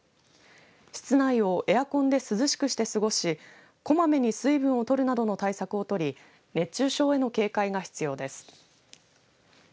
室内をエアコンで涼しくして、すごしこまめに水分を取るなどの対策を取り熱中症への警戒が必要です。